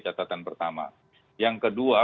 catatan pertama yang kedua